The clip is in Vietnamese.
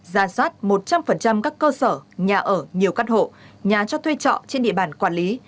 ra soát một trăm linh các cơ sở nhà ở nhiều căn hộ nhà cho thuê trọ trên địa bàn quản lý